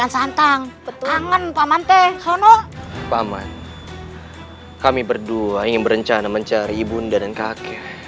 santang betul angan pamante sono pamat kami berdua ingin berencana mencari bunda dan kakek